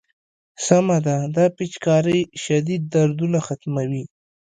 سمه ده دا پيچکارۍ شديد دردونه ختموي.